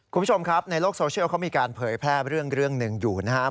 คุณผู้ชมครับในโลกโซเชียลเขามีการเผยแพร่เรื่องหนึ่งอยู่นะครับ